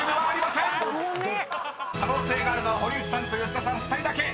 ［可能性があるのは堀内さんと吉田さん２人だけ］